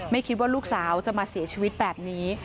ไม่คิดว่าลูกสาวจะมาเสียชีวิตแบบนี้